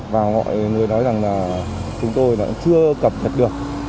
và mọi người nói rằng là chúng tôi cũng chưa cập nhật được